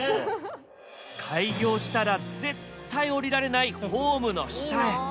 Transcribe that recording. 開業したら絶対おりられないホームの下へ。